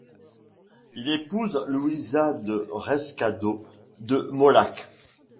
Il épouse Luisa de Rescado de Molac.